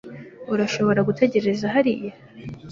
Urashobora gutegereza hariya.